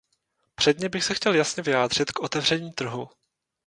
Předně bych se chtěl jasně vyjádřit k otevření trhu.